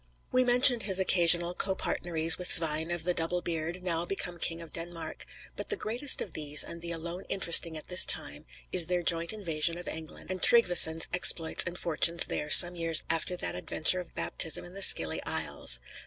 We mentioned his occasional copartneries with Svein of the Double beard, now become King of Denmark, but the greatest of these, and the alone interesting at this time, is their joint invasion of England, and Tryggveson's exploits and fortunes there some years after that adventure of baptism in the Scilly Isles.